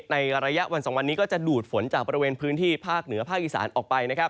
ในระยะวัน๒วันนี้ก็จะดูดฝนจากบริเวณพื้นที่ภาคเหนือภาคอีสานออกไปนะครับ